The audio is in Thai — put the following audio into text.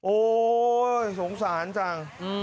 โอ้โหสงสารจัง